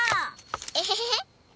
エヘヘヘ！